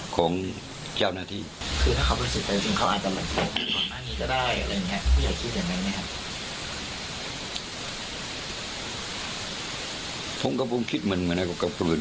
ก็คิดง่ายนะเหมือนชาวบ้านทั่วไปเลย